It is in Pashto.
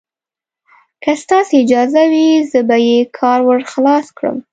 که ستاسې اجازه وي، زه به یې کار ور خلاص کړم.